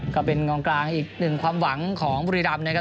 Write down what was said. ก็เป็นกลางอีกหนึ่งความหวังของบริรามนะครับ